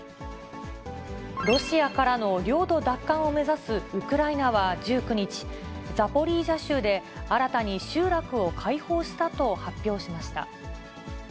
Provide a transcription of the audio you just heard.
ロシアからの領土奪還を目指すウクライナは１９日、ザポリージャ州で新たに集落を解放したと発表しました。